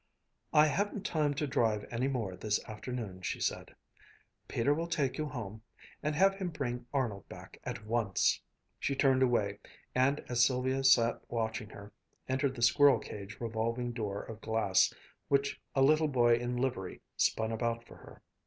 "I haven't time to drive any more this afternoon," she said. "Peter will take you home. And have him bring Arnold back at once." She turned away and, as Sylvia sat watching her, entered the squirrel cage revolving door of glass, which a little boy in livery spun about for her.